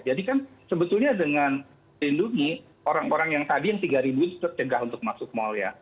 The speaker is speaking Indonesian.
jadi kan sebetulnya dengan lindungi orang orang yang tadi yang tiga tetap cegah untuk masuk mall ya